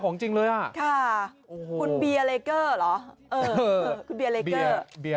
ห้องาถ่ายคู่กันด้วย